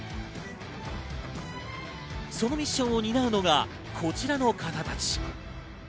そのミッションを担うのがこちらの方たち。